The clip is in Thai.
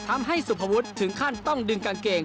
ทำให้สุภวุฒิถึงขั้นต้องดึงกางเกง